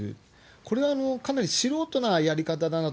これはかなり素人なやり方だなと。